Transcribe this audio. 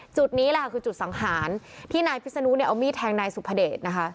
จุดนี้แหละค่ะคือจุดสังหารที่นายพิศนุเนี่ยเอามีดแทงนายสุภเดชนะคะ